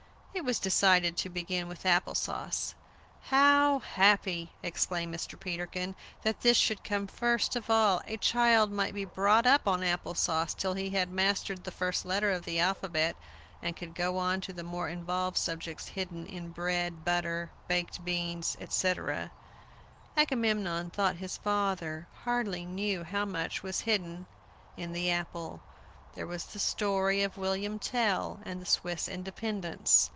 It was decided to begin with Apple sauce. "How happy," exclaimed Mr. Peterkin, "that this should come first of all! A child might be brought up on apple sauce till he had mastered the first letter of the alphabet, and could go on to the more involved subjects hidden in bread, butter, baked beans, etc." Agamemnon thought his father hardly knew how much was hidden in the apple. There was all the story of William Tell and the Swiss independence.